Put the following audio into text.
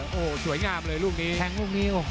โอ้โหสวยงามเลยลูกนี้